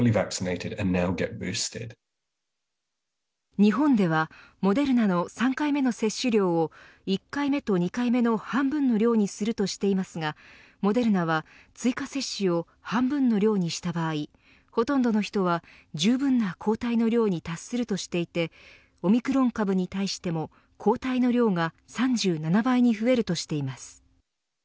日本ではモデルナの３回目の接種量を１回目と２回目の半分の量にするとしていますがモデルナは追加接種を半分の量にした場合ほとんどの人はじゅうぶんの抗体の量に達するとしていてオミクロン株に対しても抗体の量が３７倍に増えるとしています。